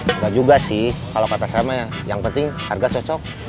enggak juga sih kalau kata sama ya yang penting harga cocok